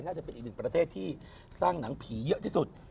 จะเป็นอีกหนึ่งประเทศที่สร้างหนังผีเยอะที่สุด